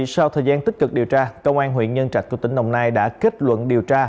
sau thời gian tích cực điều tra công an huyện nhân trạch của tỉnh đồng nai đã kết luận điều tra